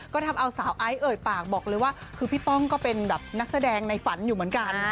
ก็ทำเอาสาวไอซ์เอ่ยปากบอกเลยว่าคือพี่ป้องก็เป็นแบบนักแสดงในฝันอยู่เหมือนกัน